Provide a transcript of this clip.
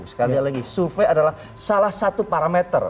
sekali lagi survei adalah salah satu parameter